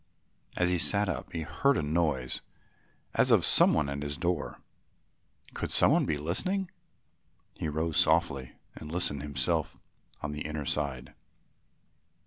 As he sat up he heard a noise as of some one at his door. "Could any one be listening?" He rose softly and listened himself on the inner side.